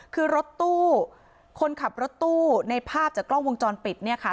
คือรถตู้คนขับรถตู้ในภาพจากกล้องวงจรปิดเนี่ยค่ะ